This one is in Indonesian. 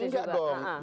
ya enggak dong